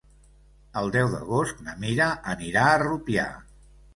El deu d'agost na Mira anirà a Rupià.